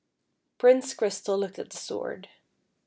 Prince Crystal looked at the sword.